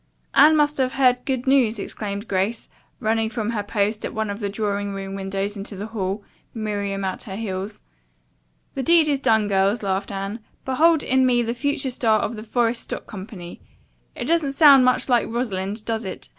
"Anne must have heard good news!" exclaimed Grace, running from her post at one of the drawing room windows into the hall, Miriam at her heels. "The deed is done, girls," laughed Anne. "Behold in me the future star of the Forest Stock Company. It doesn't sound much like Rosalind, does it?